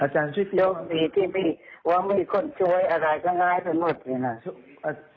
โชคดีที่มีว่ามีคนช่วยอะไรก็ง่ายทุนหมดเลยนะ